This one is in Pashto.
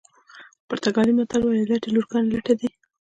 پرتګالي متل وایي لټې لورګانې لټه دي.